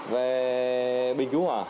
về bình cứu hỏa